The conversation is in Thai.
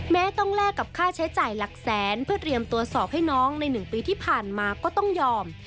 แม้ต้องแลกกับค่าใช้จ่ายหลักแสนเพื่อเตรียมตัวสอบให้น้องใน๑ปีที่ผ่านมาก็ต้องยอม